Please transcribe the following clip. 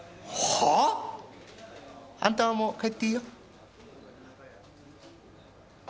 はあ！？あんたはもう帰っていいよ。